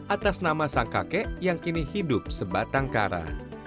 atas nama sang kakek yang kini hidup sebatang kara